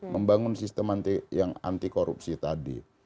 membangun sistem yang anti korupsi tadi